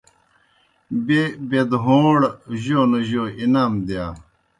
بیْہ بَیْدہوݩڑ جوْ نہ جوْ انعام دِیا۔